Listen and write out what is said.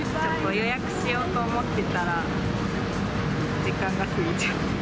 予約しようと思ってたら、時間が過ぎちゃった。